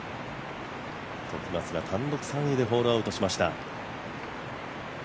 時松が単独３位でホールアウトしました。